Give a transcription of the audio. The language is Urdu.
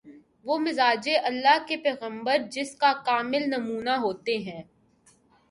وہ مزاج‘ اللہ کے پیغمبر جس کا کامل نمونہ ہوتے ہیں۔